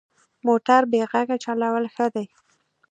موټر بې غږه چلول ښه دي.